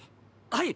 はい！